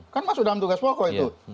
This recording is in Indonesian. kan masuk dalam tugas pokok itu